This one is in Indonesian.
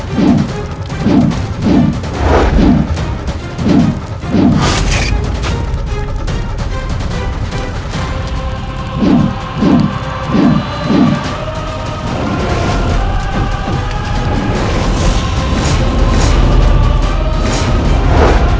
kau tidak akan sanggap